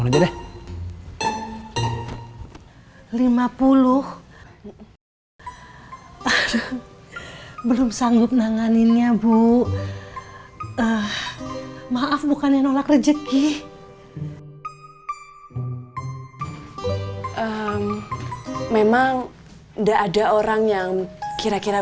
lima puluh belum sanggup nanganinnya bu maaf bukannya nolak rezeki memang ndak ada orang yang kira kira